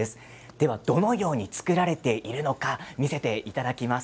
ではどのように作られているのか見せていただきます。